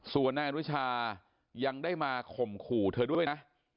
ส่วนนายอนุชายังได้มาข่มขู่เธอด้วยนะ